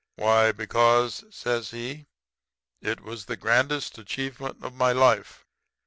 "'Why, because,' says he, 'it was the grandest achievement of my life.